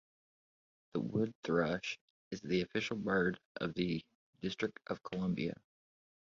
The wood thrush is the official bird of the District of Columbia.